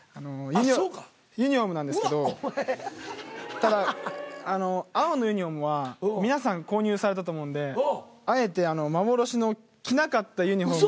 ただ青のユニホームは皆さん購入されたと思うんであえて幻の着なかったユニホームを。